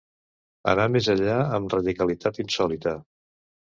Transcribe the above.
Anar més enllà, amb radicalitat insòlita.